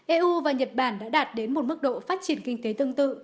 eu và nhật bản đã đạt đến một mức độ phát triển kinh tế tương tự